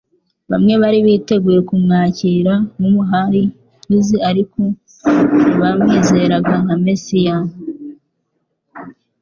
Bamwe bari biteguye kumwakira nk'umuhariuzi, ariko ntibamwizeraga nka Mesiya.